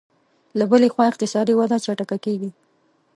له بلې خوا اقتصادي وده چټکه کېږي